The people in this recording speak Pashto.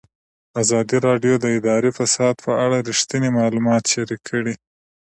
ازادي راډیو د اداري فساد په اړه رښتیني معلومات شریک کړي.